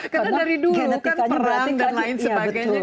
karena dari dulu kan perang dan lain sebagainya kan